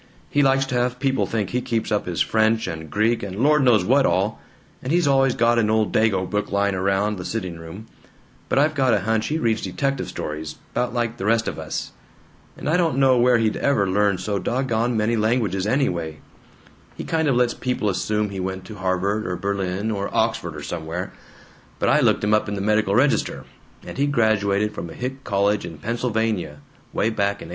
He likes to have people think he keeps up his French and Greek and Lord knows what all; and he's always got an old Dago book lying around the sitting room, but I've got a hunch he reads detective stories 'bout like the rest of us. And I don't know where he'd ever learn so dog gone many languages anyway! He kind of lets people assume he went to Harvard or Berlin or Oxford or somewhere, but I looked him up in the medical register, and he graduated from a hick college in Pennsylvania, 'way back in 1861!"